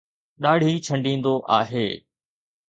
ڏاڙهي ڇنڊيندو آهي.